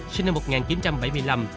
sinh năm một nghìn chín trăm bảy mươi năm